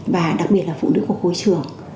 và đặc biệt là phụ nữ của khối trưởng